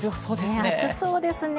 ねえ、暑そうですね。